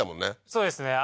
そうですね